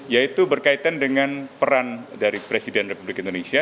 yaitu berkaitan dengan peran dari presiden republik indonesia